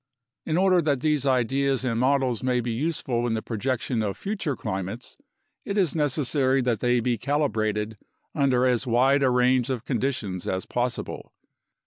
In order that these ideas and models may be useful in the projection of future climates, it is necessary that they be calibrated under as wide a range of conditions as possible.